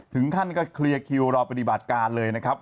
ถึงขั้นก็เคลียร์คิวรอบบริบาทการเลยนะครับ